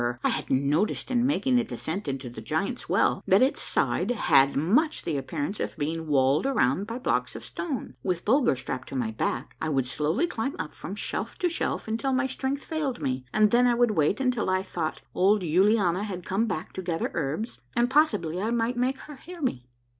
I had noticed in making the descent into the Giants' Well that its side had much the appear ance of being walled around by blocks of stone. With Bulger strapped to my back I would slowly climb up from shelf to shelf until my strength failed me, and then I would wait until I thought old Yuliana had come back to gather herbs, and possi bly I might make her hear me.